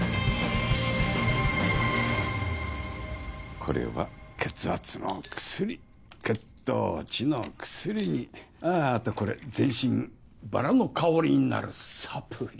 これは血圧の薬血糖値の薬にあぁ後これ全身薔薇の香りになるサプリ。